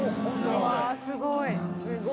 うわすごい。